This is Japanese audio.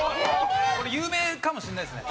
これ有名かもしれないですね。